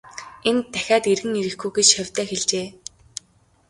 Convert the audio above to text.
Энд дахиад эргэн ирэхгүй гэж шавьдаа хэлжээ.